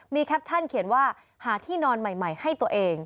มีแคปชั่นเขียนว่าหาที่นอนใหม่ให้ตัวเอง